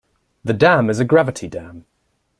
The dam is a gravity dam.